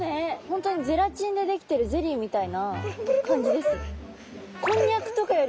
本当にゼラチンで出来てるゼリーみたいな感じです。